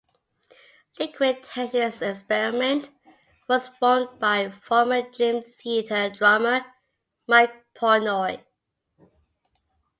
Liquid Tension Experiment was formed by former Dream Theater drummer Mike Portnoy.